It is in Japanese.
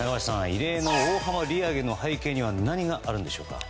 異例の大幅利上げの背景には何があるんでしょうか。